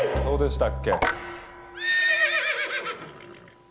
そうでしたっけ？